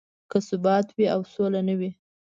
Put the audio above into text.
که ثبات وي او سوله نه وي.